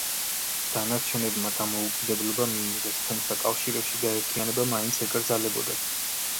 დანარჩენებმა დამოუკიდებლობა მიიღეს, თუმცა კავშირებში გაერთიანება მაინც ეკრძალებოდათ.